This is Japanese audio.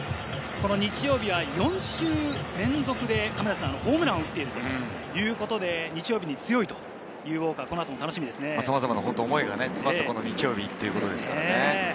日曜日は４週連続でホームランを打っているということで、日曜日さまざまな思いが詰まった日曜日ということですね。